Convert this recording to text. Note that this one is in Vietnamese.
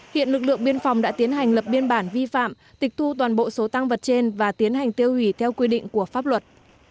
hiện lực lượng biên phòng đã tiến hành lập biên bản vi phạm tịch thu toàn bộ số tăng vật trên và tiến hành tiêu hủy theo quy định của pháp luật